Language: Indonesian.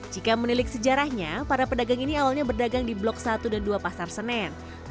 jika menilik sejarahnya para pedagang ini awalnya berdagang di blok satu dan dua pasar senen